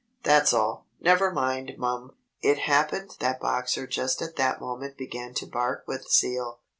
That's all. Never mind, mum." It happened that Boxer just at that moment began to bark with zeal.